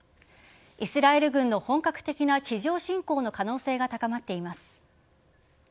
イスラエル軍の本格的な地上侵攻の可能性が高まっています。